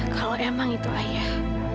kalau emang itu ayah